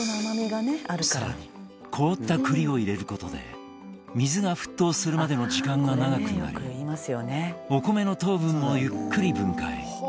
更に、凍った栗を入れることで水が沸騰するまでの時間が長くなりお米の糖分をゆっくり分解。